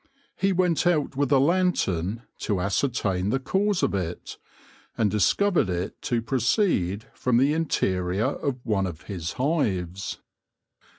He went out with a lantern to ascertain the cause of it, and discovered it to proceed from the interior of one of his hives.